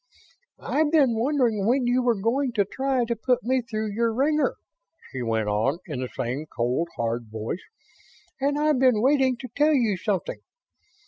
"I've been wondering when you were going to try to put me through your wringer," she went on, in the same cold, hard voice, "and I've been waiting to tell you something.